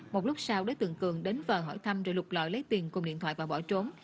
một lúc sau đối tượng cường đến vời hỏi thăm rồi lục lợi lấy tiền cùng điện thoại và bỏ trốn